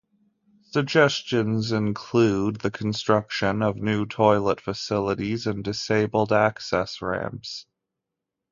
Suggestions include the construction of new toilet facilities and disabled access ramps.